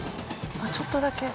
あっちょっとだけ。